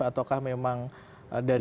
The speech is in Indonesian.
ataukah memang dari